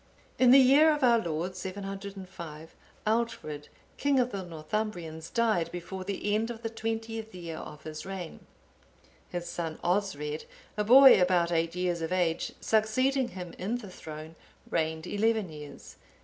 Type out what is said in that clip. ] In the year of our Lord 705, Aldfrid, king of the Northumbrians, died(867) before the end of the twentieth year of his reign. His son Osred,(868) a boy about eight years of age, succeeding him in the throne, reigned eleven years.